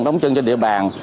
đóng chân trên địa bàn